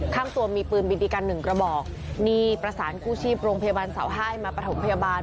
ข้างตัวมีปืนบีบีกันหนึ่งกระบอกนี่ประสานกู้ชีพโรงพยาบาลเสาห้ายมาประถมพยาบาล